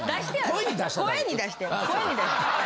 声に出して。